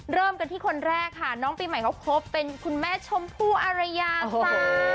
เริ่มกันที่คนแรกค่ะน้องปีใหม่เขาคบเป็นคุณแม่ชมพู่อารยาจ้า